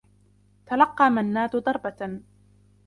تلقّى منّاد ضربة.